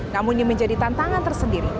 namun ini menjadi tantangan tersendiri